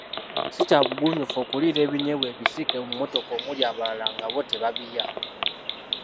Si kya bugunjufu okuliira ebinyeebwa ebisiike mu mmotoka omuli abalala nga bo tebabirya.